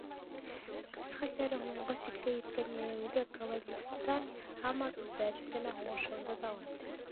Көс-хәлдәре һуңғы сиккә еткән йәйәүле кавалеристар һаман үҙҙәре генә һуғышыуҙы дауам итә.